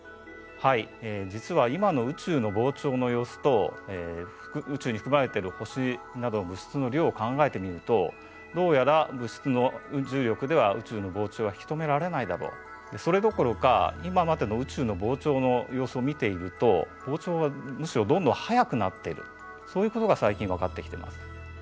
はい実は今の宇宙の膨張の様子と宇宙に含まれてる星などの物質の量を考えてみるとどうやら物質の重力では宇宙の膨張は引き止められないだろうそれどころか今までの宇宙の膨張の様子を見ていると膨張はむしろどんどん速くなっているそういうことが最近分かってきています。